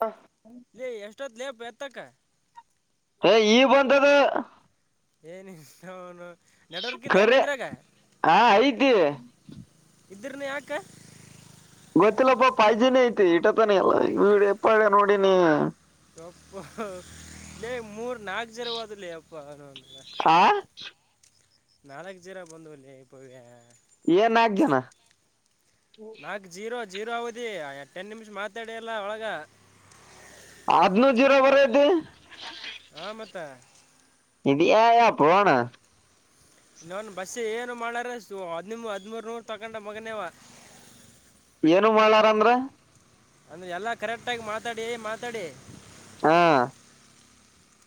ಹಾ ಲೆ ಎಷ್ಟೊತ್ ಲೇಪ್ ಎತ್ತಕ್ಕ ಏ ಈ ಬಂದದ ಏನ ಅವನು ನೆಟ್ವರ್ಕ್ ಇಲ್ಲ ಏನು ಖರೆ ನಿಂದ್ರಾಗ ಹಾ ಐತಿ ಇದ್ರನು ಯಾಕ ಗೊತ್ತಿಲ್ಲಪ್ಪ ಪಾಯ್ಜಿನೇ ಐತಿ ಇಟತಾನೆ ಎಲ್ಲ ವಿಡಿಯೋ ಎಪ್ಪಾ ಎಲ್ಲ ನೋಡ ನೀ ಪ್ಪ ಲೇ ಮೂರ್ ನಾಕ್ ಜರವಾದಲಿ ಅಪ್ಪಾ ಅಂದ ಹಾ ನಾಲಕ ಜರಾ ಬಂದೂ ಇಲ್ಲ ಇ ಏನ್ ನಾಕ್ ಜನ ನಾಕ್ ಜೀರೋ ಜೀರೋ ಆಗದಿ ಟೆನ್ ನಿಮಿಷ ಮಾತಾಡಿ ಎಲ್ಲಾ ಒಳಗ ಹದನೂರು ಜೀರೋವರೆ ದು ಹ ಮಾತಾ ಇದೆ ಅಪ್ಪಣ ಇವನ್ ಬಸ್ಸ ಏನು ಮಾಡಾರ ಹದ್ ಹದನೂರ್ ನೂರ್ ತಕೊಂಡ ಮಗನೇವ ಏನು ಮಾಡಾರ ಅಂದ್ರ ಅಂದ್ರ ಎಲ್ಲಾ ಕರೆಕ್ಟ್ಗಿ ಮಾತಾಡಿ ಮಾತಾಡಿ ಹಾ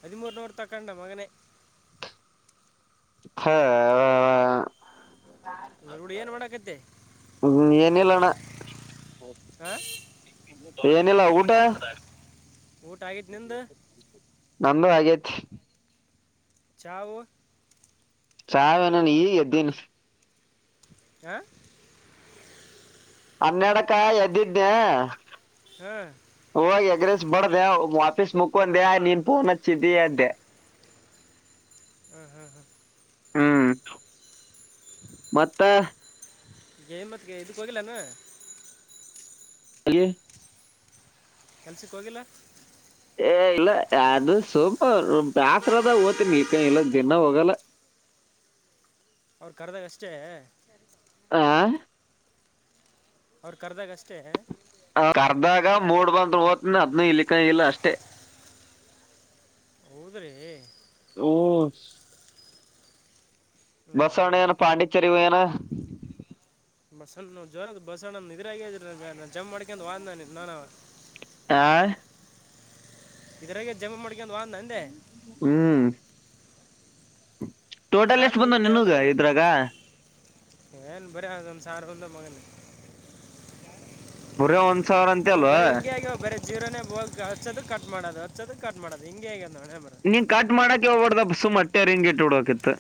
ಹದಿಮೂರನ ಹೊರ್ ತಕ್ಕಂಡೆ ಮಗನೇ ಹ ಡಿ ಏನ್ ಮಾಡಕತ್ತಿ ಹ್ಮ್, ಏನಿಲ್ಲ ಅಣ್ಣ ಹ ಏನಿಲ್ಲ ಊಟ ಊಟ ಆಗಿತೆ ನಿಂದ ನ್ದೂ ಆಗೇತ್ ಚಾವು ಚಾ ನ ಈ ಎದ್ದಿನ ಆ ಹನ್ನಡಕ್ಕ ಎದ್ದಿದ್ದನೆ ಹಾಂ ಹೋಗಿ ಎಗ್ ರೈಸ್ ಬಡ್ದ ವಾಪೀಸ್ ಮುಕ್ಕೊಂಡೆ ನೀನ್ ಫೋನ್ ಹಚ್ಚಿದ್ದಿ ಅಂತೆೆ ಹ್ಮ್ ಹ್ಮ್ ಹ್ಮ್ ಹ್ಮ್ ಮತ್ತೆ ಗಯ ಮತ್ಗೆ ಇದು ಹೋಗಿಲ್ಲೇನೋ ಹಗೆ [inaudible] ಕೆಲ್ಸಕ್ ಹೋಗಿಲ್ಲ ಏ ಇಲ್ಲ ಅದು ಸುಮ ಬ್ಯಾಸರ ಅದಾಗ ಹೋತೀನಿ ಈಕೆ ಇಲ್ಲ ದಿನಾ ಹೋಗಲ್ಲ ಅವ್ರು ಕರೆದಾಗ ಅಷ್ಟೇ ಆ ಅವ್ರ ಕರ್ದಾಗ ಅಷ್ಟೇ ಕರ್ದಾಗ ಮೂಡ್ ಬಂದ್ರ ಹೋತಿನಿ ಅದ್ನ ಇಲ್ಲಿಕ್ಕ ಇಲ್ಲ ಅಷ್ಟೇ ಹೌದ್ರಿ ಹ್ಮ್ ಹ್ಞೂ ಹ್ಞೂ ಬಸವಣ್ಣ ಹ್ಞೂ ಏನ ಪಾಂಡಿಚೆರಿ ಹೋಗ್ಯನ ಬಸಣ್ಣವು ಜ್ರ ಬಸಣ್ಣ ಇದ್ರಗೆ ಆಗ್ರ ಜಂಪ್ ಮಾಡಕಂತ ವಾದ್ [unintelligible] ಆ ಇದರಾಗ ಜಂಪ್ ಮಾಡಿ ಹ್ಮ್ [unintelligible] ಟೋಟಲ್ ನಾನು ಎಷ್ಟ ಬಂದುವ ನಿನುಗ ಇದ್ರಾಗ ಏನ್ ಬರೆ ಒಂದ ಸಾವಿರ ಬಂದದ್ದು [unintelligible] ಸಾವಿರ ಅಂತೆ ಅಲ್ಲೋ ಜೀರನೇ ಹೋಗ ಹಚ್ಚೋದು ಕಟ್ ಮಾಡದು ಹಚ್ಚೋದು ಕಟ್ ಮಾಡದು ಹಿಂಗೆ ಆಗ್ಯದ ನೋಡೇ ಬರ ನೀ ಕಟ್ ಮಾಡಾಕೆ ಹೋಗಬಡ್ದ ಅಪ್ಪಾ ಸುಮ ಅಟ್ಟೆ ರಿಂಗ ಇಟ್ಟ ಬಿಡಬೇಕು ಇತ್ತ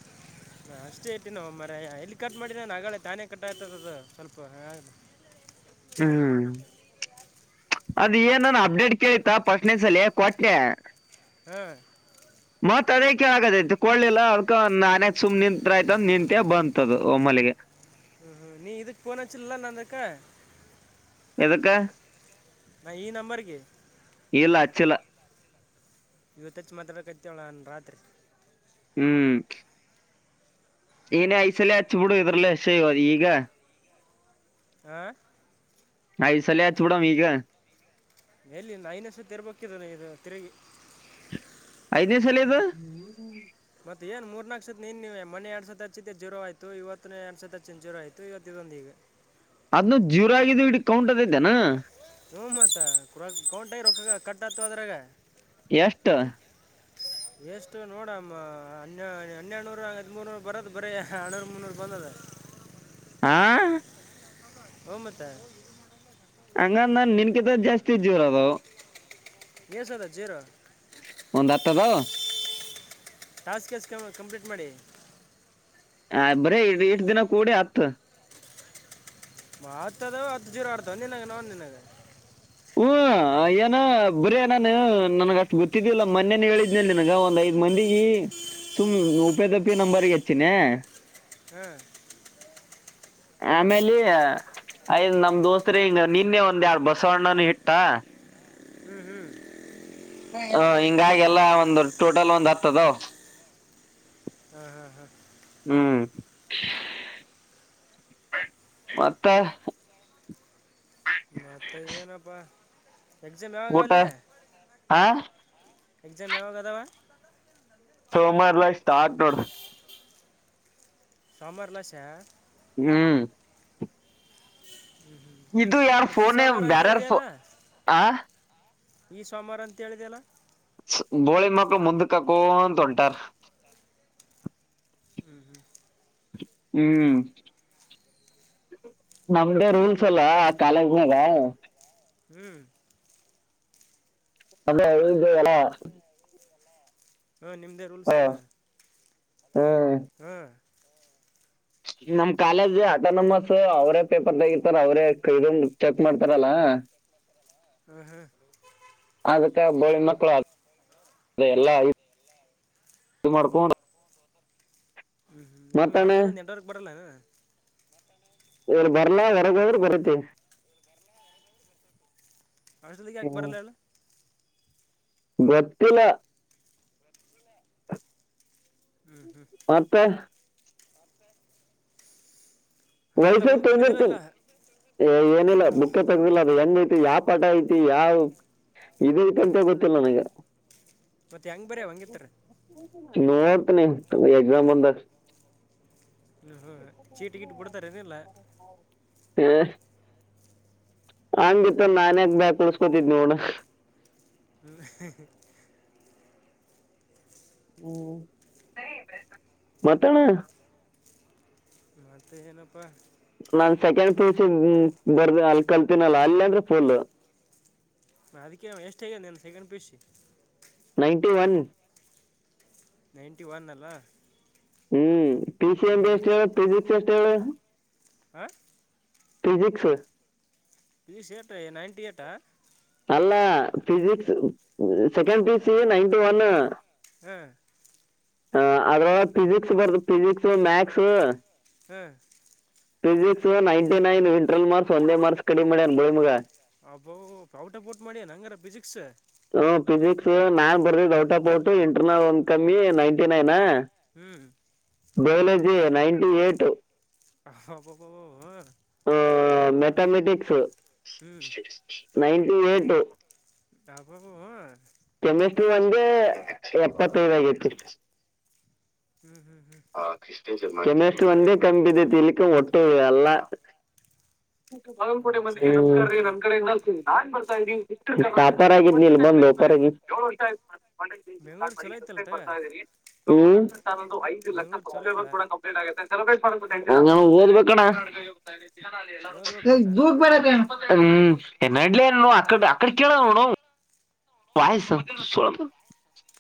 ಅಷ್ಟೇ ಈಟಿನೋ ಮಾರಾಯ ಎಲ್ಲಿ ಕಟ್ ಮಾಡಿ ನಾನು ಹಾಗಗಳೆ ತಾನೇ ಕಟ್ ಆಯ್ತದ ಅದು ಸ್ವಲ್ಪ ಹ್ಮ್ ಅದ ಏನ್ ನನ್ ಅಪ್ಡೇಟ್ ಕೇಳ್ತಾ ಫಸ್ಟ್ನೆ ಸಲ ಕೊಟ್ನೆ ಹಾಂ ಮತ್ ಅದೇ ಕೆಲಟೈಟ್ ಕೊಡಲಿಲ್ಲ ಅದಕ ನಾನಯತ್ ಸುಮ್ಮ ನಿಂತ್ರ ಆಯ್ತ ಅಂತ ನಿಂತೆ ಬಂತಧು ಓಮಿಲಗೆ ಹ್ಮ ಹ್ಮ ನೀ ಇದುಕ ಫೋನ್ ಹಚ್ಚಲಿಲ್ಲ ನಂದಕ್ ಎದಕ್ಕ ನಾ ಈ ನಂಬರ್ಗೆ ಇಲ್ಲ ಹಚ್ಚಿಲ್ಲ ಇವತ ಹಚ್ಚಿ ಮತಡಕ್ತಿವ್ ರಾತ್ರಿ ಹ್ಮ್ ಇನ್ನ ಐದು ಸಲ ಹಚ್ಬಿಡು ಇದರ್ಲೆ ಸೇ ಈಗ ಹ ಐದು ಸಲ ಹಚ್ಚಿ ಬಿೂಡ ಈಗ ಎಲ್ಲಿ ಐನೆ ಸತಿ ಇರ್ಬೇಕಿದನ ಇದು ತಿರುಗಿ ಐದ್ ಸಲ ಇದು ಮತ್ತೆ ಏನ್ ಮೂರ್ನಾಕು ಸತ್ ನೀನ್ ನೀವ ಮನೆ ಎರಡ್ತ್ ಹಚ್ಚಿದ್ದ ಜೀರೋ ಆಯತು ಇವತ್ತು ಎಡ್ ಸತ್ಚ್ಚಿನ ಜೀರೋಯ್ತು ಇವತ್ತು ಇದೊಂದು ಈಗ ಅದ್ನ ಜೀವರಾಗಿದ್ದು ಇಡ ಕೌಂಟ ಅದ ಇದ್ದೇನಾ ಹ ಮತ್ತ ರ ಕೌಂಟ ಆಗಿ ರೊಕ್ಕ ಕಟ್ ಆತ ಅದ್ರಾಗ ಎಷ್ಟು ಎಷ್ಟು ನೋಡಮ್ಮ ಹ ಹನ್ನೆನೂರು ಹದಿಮೂರುನೂರು ಬರದು ಬರೀ ಎರಡ್ ನೂರು ಮುನ್ನೂರು ಬಂದದ ಹಾ.. ಓ ಮತ್ತ. ಹಂಗಂದ ನಿನ್ಕಿದ ಜಾಸ್ತಿ ಜೋರ ಅದು. ಏಸದ ಜೀರೊ. ಒಂದತ್ತದವು. ಟಾಸ್ಕ್ ಕೆಸ್ ಕ ಕಂಪ್ಲೀಟ್ ಮಾಡಿ. ಆ ಬರೀ ಇಡ ಇಟ್ ದಿನ ಕೂಡೇ ಅತ್ತು. ಮಾತ್ ಅದ ಹತ್ ಜೀರ ಆಡ್ತವ ನಿನ್ನನವ್ ನಿನಗ. ಹ್ಮ ಹ ಏನ ಬರಿ ನಾನ ನನ್ಗ ಅಷ್ಟ ಗೊತ್ತಿದ್ದಿಲ್ಲ ಮನ್ನೆನ ಹೇಳಿದ್ನೆಲ್ ನಿನ್ಗ ಒಂದ್ ಐದ ಮಂದಿಗೀ ಸುಮ್ ಉಪೇದಪ್ಪಿ ನಂಬರ್ಗ ಹಚ್ಚಿನ. ಹ್ಮ್ ಆಮೇಲೆ ಐದ ನಮ್ ದೋಸ್ತ್ರ ಹಿಂಗ ನಿನ್ನೆ ಒಂದ್ಯಾಡ್ ಬಸವಣ್ಣ ನು ಹಿಟ್ಟ ಹ ಹಿಂಗಾಗಿ ಎಲ್ಲಾ ಒಂದು ಟೋಟಲ್ ಒಂದು ಹತ್ತಾದವ್. ಹಾಂ ಹಾಂ ಹಾಂ ಹ್ಮ್ ಮತ್ತ. ಮತ್ತ ಏನಪ್ಪ. ಎಕ್ಸಾಮ್ ಯಾವಾಗ ಊಟ ಅವಲೇ. ಹಾ ಎಕ್ಸಾಮ್ ಯಾವಾಗ ಅದಾವ. ಸೋಮಾರ ಲ ಸ್ಟಾರ್ಟ್ ನೋಡ. ಸಾಮಾರ್ಲಾಸಾ ಹ್ಮ್ ಇದು ಯಾರ ಮತ್ತು ಈ ಫೋನೇ ಸೋಮವಾರ ಅಂತ ಬ್ಯಾರಾರ ಫೋ ಹೇಳಿದೆಯಲ್ಲ ಆ ಈ ಸೋಮಾರ ಅಂತ ಹೇಳಿದೆಲ್ಲ. ಬೋಳಿ ಮಕ್ಕಳು ಮುಂದಕಾಕ್ಕೋಂತ ಹೊಂಟಾರ. ಹ್ಞೂ ಹ್ಮ್ ನಮ್ದೇ ರೂಲ್ಸ್ ಅಲ್ಲ ಕಾಲೇಜ್ನಾಗ. ಹ್ಮ್ ಅದೇ ಇದು ಎಲ್ಲ ಹಾಂ ನಿಮ್ಮ್ದೇ ಹ ರೂಲ್ಸ್ ಅನ. ಹ್ಮ್ ಹಾ ನಮ್ ಕಾಲೇಜ್ ಆಟೋನಮಸ್ ಅವರೇ ಪೇಪರ್ತಗೀತಾರ ಅವ್ರೇ ಇದನ್ ಚೆಕ್ ಮಾಡ್ತಾರಲ್ಲ. ಹ್ಮ ಹ್ಮ ಮತ್ತ ಬೋಳಿಮಕ್ಳು ಎಲ್ಲ ಇ ಮಾಡ್ಕೊಂಡ ಹ್ಮ್ ಹ್ಮ್ ನಿಮ್ಮಿ ಹಾಸ್ಟೆಲ್ ದಾಗ ನೆಟ್ವರ್ಕ್ ಬರಲ್ಲನು. ಏನ್ ಬರ್ಲ [inaudible] ಹಾಸ್ಟೆಲಿಗ್ ಯಾಕ್ ಬರಲ್ಲ ಹೇಳು ಗೊತ್ತಿಲ. ಹ್ಞೂ ಹ್ಞೂ ಮತ್ತೆ. ಎಲ್ಲ ವೈಫೈ ತೊಗೊಂಡಿರ್ತೀನ್, ಓದ್ಕೊಂಡಿದ್ದೀರಲ್ಲ ಎ ಏನಿಲ್ಲ ಬುಕ್ಕ ತಗ್ದಿಲ್ಲ ಅದ್ ಹೆಂಗ ಐತ್ ಯಾವ ಪಟ ಐತಿ ಯಾವ್, ಇದ ಐತಂತ ಗೊತ್ತಿಲ್ಲ ನನಗೆ. ಮತ್ತು ಹೆಂಗೆ ಬರೀ ಹಂಗಿತ್ತಾರೆ ನೋ [unintelligible] ಎಗ್ಸಾಮ್ ಬಂದಾಗ. ಹ್ಮ ಹ್ಮ ಚೀಟ ಗೀಟ್ ಕೊಡ್ತಾರ್ ಕರೆ ಹೂ [inaudible] ಹೆ ಹಂಗಿತ್ತು ನನ್ ಯಾಕ್ ಬ ಕಳಸ್ಕೊತಿದ್ ನೋಡ ಹ್ಮ್ ಹ್ಮ್ ಮತ್ತಣ ಮತ್ತೆ ಏನಪ್ಪಾ ನಾನ್ ಸೆಕೆಂಡ್ ಪಿ ಯೂ ಸಿ ಬರ್ ಅಲ್ಲಿ ಕಲ್ತೀನಲ್ಲ ಅಲ್ಲ ಅಂದ್ರೆ ಫುಲ್ ನಾ ಅದಕ್ಕೆ ಎಷ್ಟು ಹೇಗ ನನ್ second P U C ninety one ನೀನೇತ್ಯವನ್ ಅಲ್ಲ ಹ್ಮ್ ಪಿ ಸಿ ಹ್ಞೂ ಎಂ ಬಿ ಎಷ್ಟ್ ಹೇಳು ಫಿಸಿಕ್ಸ್ ಹೇಳು ಆ ಫಿಸಿಕ್ಸು [inaudible] ಏನ್ ನೈಂಟಿ ಏಟ್ ಅಲ್ಲಾ ಫಿಸಿಕ್ಸು ಏ ಸೆಕೆಂಡ್ ಪಿ ಯು ಸಿಲಿ ನೈಂಟಿ ಒನ್ನು ಹ್ಮ್ ಹ ಅದ್ರಲ್ಲಿ ಫಿಸಿಕ್ಸು ಬರ್ದು ಫಿಸಿಕ್ಸು ಮಾಥ್ಸ್ ಹ ಫಿಸಿಕ್ಸಿಗೆ ನೈಂಟಿ ನೈನ್ ಇಂಟ್ರಲ್ ಮಾರ್ಕ್ಸ್ ಒಂದೇ ಮಾರ್ಕ್ಸ್ ಕಡಿಮೆ ಮಾಡವ್ನೆ ಬೋಳಿಮಗ ಅಬ್ಬೊ ಔಟ್ ಆಫ್ ಔಟ್ ಮಾಡಿಯನಂಗರ ಫಿಸಿಕ್ಸ್ ಹ ಫಿಸಿಕ್ಸು ನಾನ್ ಬರ್ರಿ ಔಟ್ ಆಫ್ ಔಟು ಇಂಟರ್ನಲ್ ಒಂದ್ ಕಮ್ಮಿ ನೈಂಟಿ ನೈನಾ ಹ್ಞೂ ಬಯೋಲಾಜಿ ನೈನ್ಟಿ ಏಟ್ ಹಬಬಬಬಾ ತಮೆಟಿಕ್ಸು [inaudible] ನೈಂಟಿ ಏಟ್ ಅಬಬಬಬೊ ಕೆಮಿಸ್ಟ್ರಿ ಒಂದೆ ಯಪ್ಪಾತೈಡಗೈತಿ ಹ್ಞೂ ಹ್ಞೂ ಹ್ಞೂ ಕೆಮಿಸ್ಟ್ರಿ ಒಂದೇ ಕಮ್ ಬಿದ್ದಿದ್ ಒಟ್ಟು ಎಲ್ಲ ವಜ್ಜಾತಪ್ಪ ಅಂದ್ರೆ ನಿಂದು ಹ್ಮ್ ಟಾಪರ್ ಆಗಿದ್ನಲ್ ಬಂದು ಸರಿ [inaudible] ಬೆಂಗ್ಳೂರು ಚಲೋ ಐತಲ್ಲ ತಗ ಹ್ಮ್ ತಂದು ಐದು ಲಕ್ಷ ಬೆಂಗ್ಳೂರು ಚಲೋ ಇಲ್ಲ ಸಬ್ಸ್ಕ್ರಬರ್ ಕೂಡ ಕಂಪ್ಲೀಟ್ ಆಗ್ಯತೆ [unintelligible] ನೀವು ಓದ್ಬೇಕಣ್ಣ ಓದ್ಬೇಕ್ ಏ ಮತ್ತು ದೂಕ್ ಬೇಡ ಹ್ಮ್ [unintelligible] ಅಕ್ಕಡೆ ಆಕ್ಕಡೆ ನೋಡ್ ಅವ್ನ್ ಪಾಯ್ಸ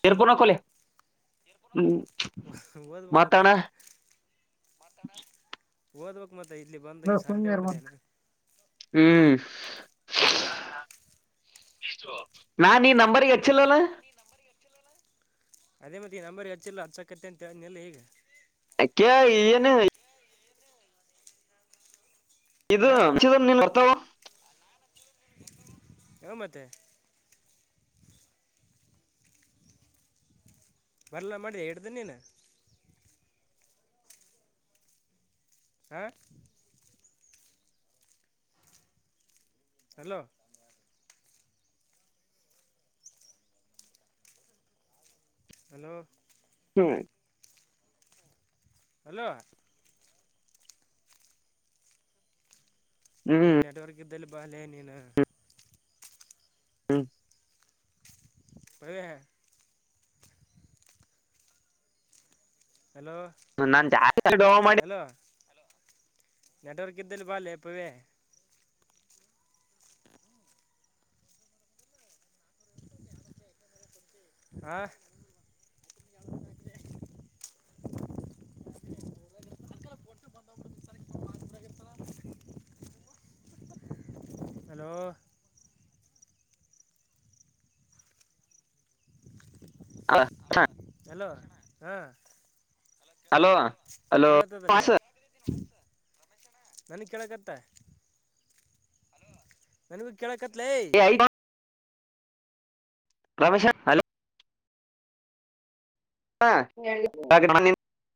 ಈರಫೋನ್ ಅಕೋಲೆ ಓದ್ಬೇಕ್ ಮತ್ತ [inaudible] ಒದ್ಬೋಕ್ ಮತ್ತೆ ಇಲ್ಲಿ ಬಂದು ಇಸ್ ಹರ್ಟೆ ಹೊಡ್ದ್ಯೇನು, ಹ್ಮ್ ನಾ ನೀ ನಂಬರಿಗ್ ಹಚ್ಚಿಲ್ಲಲ್ಲ, ಏ ಮತ್ ಈ ನಂಬರಿಗ್ ಹಚ್ಚಿಲ್ಲ ಅನ್ಸಕತಾದೆನ್ ನಿನಿಗೆ ಅಕ್ಕೆ ಏನು? ಇದ್ ಹಾಂ ನೀವು [unintelligible] ಬರ್ತಾವ ಹಾ ಮತ್ತೆ ಬರ್ಲ ಮಾಡಿ [unintelligible] ನೀನು ಹ ಹಲೋ ಹಲೋ ಹ್ಮ ಹಲೋ ಇ ಹ್ಮ್ ನೆಟ್ವರ್ಕ್ ಬದಲು ಬಾಲೇನನು? ಹ್ಮ ಹೇಳ ಹಲೋ ನಾನ್ ಜಾಸ್ತಿ ಡೋವ ಮಾಡಿ ಹಲೋ ನೆಟ್ವರ್ಕ್ ಇದ್ದಲ್ಲಿ ಬಲ್ಲ ಎಪ್ಪವ ಹಾ ಹಲೋ ಅ ಹ ಹಲೋ ಹಾಂ ಹಲೋ ಹಲೋ ನನಗ್ ಕೇಳಕ್ತ್ತ ನನಗ ಕೆಳಕ ಪ್ಲೇ ರಮೇಶ ಹಲೋ ಹ